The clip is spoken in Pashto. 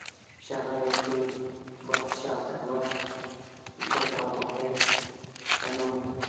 ښاغلي دور بادشاه ادوار د " ګل او غوټۍ" پۀ نوم